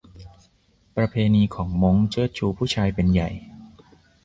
ประเพณีของม้ง เชิดชูผู้ชายเป็นใหญ่